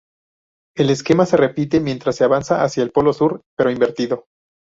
El esquema se repite mientras se avanza hacia el polo sur, pero invertido.